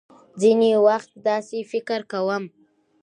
ځينې وخت داسې فکر کوم .